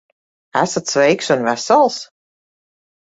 Esat sveiks un vesels?